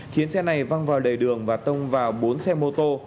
khiến xe này văng vào lề đường và tông vào bốn xe mô tô